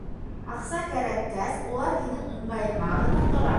Аҡса кәрәккәс, улар һинең ыңғайыңа ғына тора.